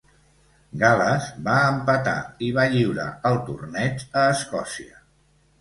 Gal·les va empatar i va lliurar el Torneig a Escòcia.